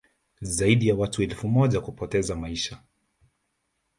zaidi ya watu elfu moja kupoteza maisha